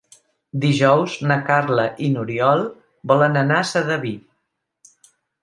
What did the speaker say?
Dijous na Carla i n'Oriol volen anar a Sedaví.